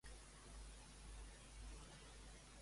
Qui va lluitar amb Àmic?